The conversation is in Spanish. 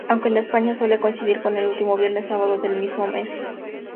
Aunque en España, suele coincidir con el último viernes o sábado del mismo mes.